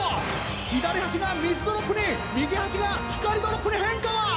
左端が水ドロップに右端が光ドロップに変化！